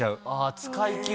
使い切る？